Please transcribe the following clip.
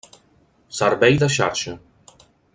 Servei de xarxa.